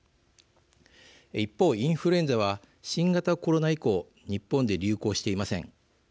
一方、インフルエンザは新型コロナ以降日本で流行していません。